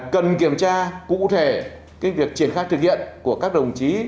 cần kiểm tra cụ thể việc triển khai thực hiện của các đồng chí